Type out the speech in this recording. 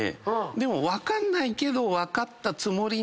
でも分かんないけど。